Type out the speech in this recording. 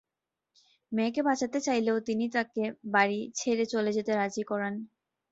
মেয়েকে বাঁচাতে চাইলেও তিনি তাকে বাড়ি ছেড়ে চলে যেতে রাজি করান।